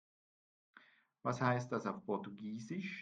Was heißt das auf Portugiesisch?